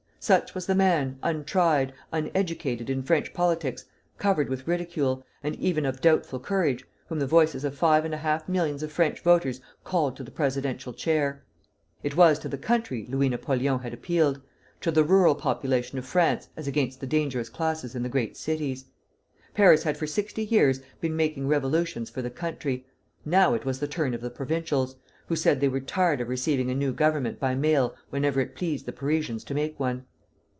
Such was the man, untried, uneducated in French politics, covered with ridicule, and even of doubtful courage, whom the voices of five and a half millions of French voters called to the presidential chair. It was to the country Louis Napoleon had appealed, to the rural population of France as against the dangerous classes in the great cities. Paris had for sixty years been making revolutions for the country; now it was the turn of the provincials, who said they were tired of receiving a new Government by mail whenever it pleased the Parisians to make one.